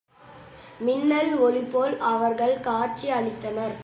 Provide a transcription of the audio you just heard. மின்னல் ஒளிபோல் அவர்கள் காட்சி அளித்தனர்.